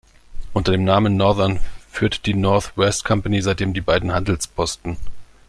Unter dem Namen "Northern" führt die North West Company seitdem die beiden Handelsposten.